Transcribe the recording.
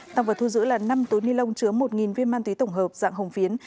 tăng vật thu giữ là năm túi ni lông chứa một viên ma túy tổng hợp dạng hồng phiến